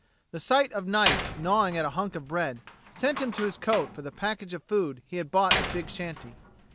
The sight of Knight gnawing at a hunk of bread sent him to his coat for the package of food he had bought at Big Shanty.